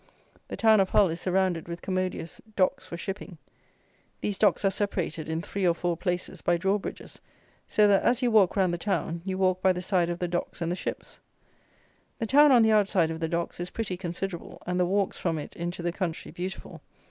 The town of Hull is surrounded with commodious docks for shipping. These docks are separated, in three or four places, by draw bridges; so that, as you walk round the town, you walk by the side of the docks and the ships. The town on the outside of the docks is pretty considerable, and the walks from it into the country beautiful.